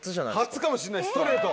初かもしんないストレート。